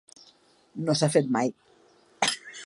No s’ha fet mai.